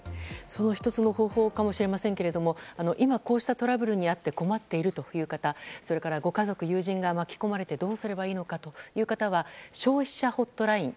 １つの方法かもしれませんが今、こうしたトラブルに遭って困っているという方それからご家族、友人が巻き込まれてどうしたらいいのかという方消費者ホットライン